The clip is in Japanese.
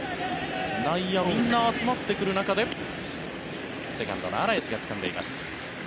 内野、みんな集まってくる中でセカンドのアラエスがつかんでいます。